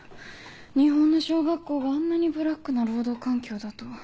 日本の小学校があんなにブラックな労働環境だとは。